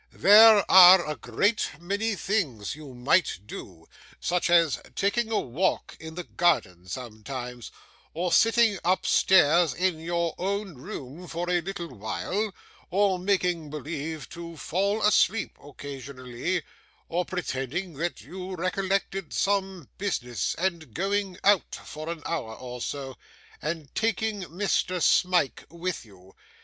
There are a great many things you might do; such as taking a walk in the garden sometimes, or sitting upstairs in your own room for a little while, or making believe to fall asleep occasionally, or pretending that you recollected some business, and going out for an hour or so, and taking Mr. Smike with you.